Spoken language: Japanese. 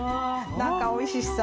何かおいしそう。